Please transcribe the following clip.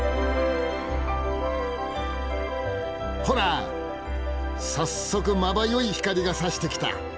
ほら早速まばゆい光がさしてきた。